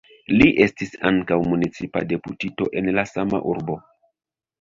Li estis ankaŭ municipa deputito en la sama urbo.